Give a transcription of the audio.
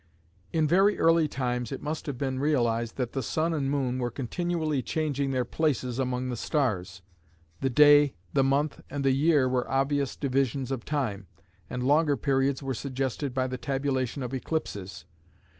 In very early times it must have been realised that the sun and moon were continually changing their places among the stars. The day, the month, and the year were obvious divisions of time, and longer periods were suggested by the tabulation of eclipses.